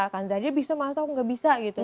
kanza aja bisa masuk nggak bisa gitu